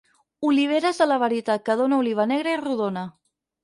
Oliveres de la varietat que dóna oliva negra i rodona.